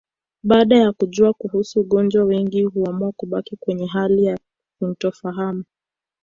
Baada ya kujua kuhusu ugonjwa wengi huamua kubaki kwenye hali ya sintofahamu